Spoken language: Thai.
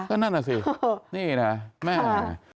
ก็นั่นน่ะสินี่นะแม่